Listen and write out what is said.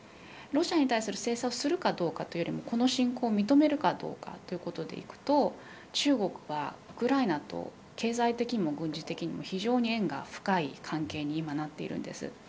ロシアに対する制裁をするかどうかというよりもこの侵攻を認めるかどうかということでいくと中国はウクライナと経済的にも軍事的にも非常に縁が深い関係に今なっているんです。